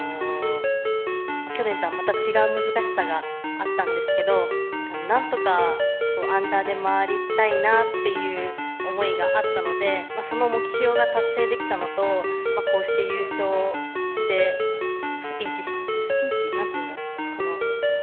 去年とはまた違う難しさがあったんですがなんとかアンダーで回りたいなっていう思いがあったのでその目標が達成できたのとこうして優勝してスピーチスピーチ？なんていうんだろう。